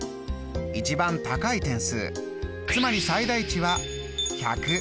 一番高い点数つまり最大値は１００。